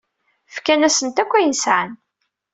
Fkan-asent akk ayen sɛan.